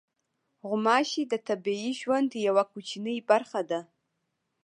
غوماشې د طبیعي ژوند یوه کوچنۍ برخه ده.